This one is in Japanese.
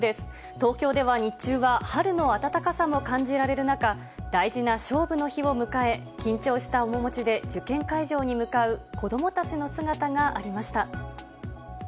東京では日中は春の暖かさも感じられる中、大事な勝負の日を迎え、緊張した面持ちで受験会場に向かう子どもたちの姿がありました。